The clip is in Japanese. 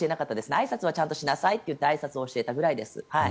あいさつはちゃんとしなさいってあいさつを教えたくらいです。